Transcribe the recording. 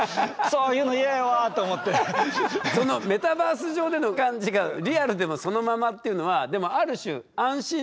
そのメタバース上での感じがリアルでもそのままっていうのはある種安心でもあるかなって。